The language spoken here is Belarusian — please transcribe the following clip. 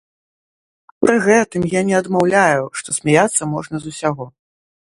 Пры гэтым я не адмаўляю, што смяяцца можна з усяго.